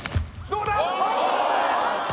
どうだ？